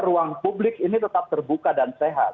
ruang publik ini tetap terbuka dan sehat